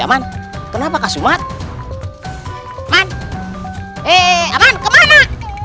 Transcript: ya man kenapa kasumat man eh aman kemana